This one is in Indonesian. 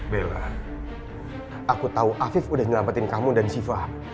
bella aku tahu afif udah nyelamatin kamu dan siva